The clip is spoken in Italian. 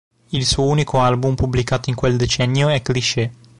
Il suo unico album pubblicato in quel decennio è Cliché.